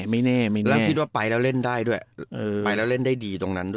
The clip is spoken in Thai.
แล้วพี่ด้วยไปแล้วเล่นได้ด้วยไปแล้วเล่นได้ดีตรงนั้นด้วย